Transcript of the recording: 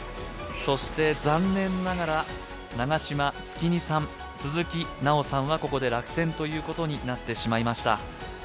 そして残念ながら永島つき虹さん、鈴木菜生さんはここで落選ということになってしまいました。